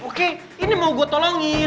oke ini mau gue tolongin